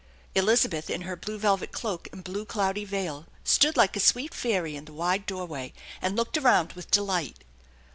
Elizabeth in her blue velvet cloak and blue cloudy veil stood like a sweet fairy in the wide doorway, and looked around with delight.